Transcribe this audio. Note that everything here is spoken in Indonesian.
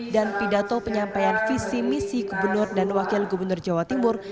dan pidato penyampaian visi misi gubernur dan wakil gubernur jawa timur